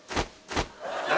何？